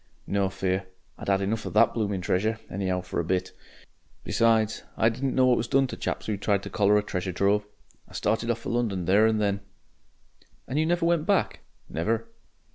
"No fear. I'd 'ad enough of THAT blooming treasure, any'ow for a bit. Besides, I didn't know what was done to chaps who tried to collar a treasure trove. I started off for London there and then...." "And you never went back?" "Never."